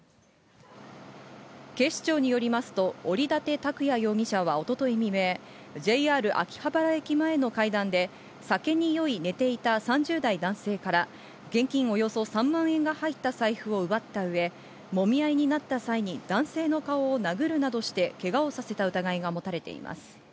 警視庁によりますと、折館卓也容疑者は一昨日未明、ＪＲ秋葉原駅前の階段で酒に酔い寝ていた３０代男性から現金およそ３万円が入った財布を奪った上、もみ合いになった際に男性の顔を殴るなどしてけがをさせた疑いがもたれています。